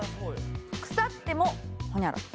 腐ってもホニャララ。